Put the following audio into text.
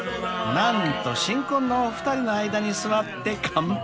［何と新婚のお二人の間に座って乾杯］